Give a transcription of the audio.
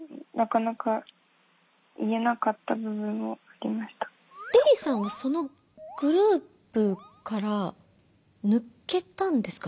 りりさんはそのグループから抜けたんですか？